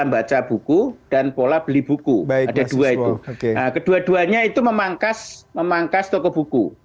baca buku dan pola beli buku ada dua itu kedua duanya itu memangkas memangkas toko buku